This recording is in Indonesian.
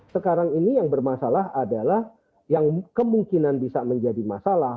sekarang ini yang bermasalah adalah yang kemungkinan bisa menjadi masalah